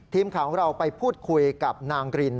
ทีมข่าวของเราไปพูดคุยกับนางกริน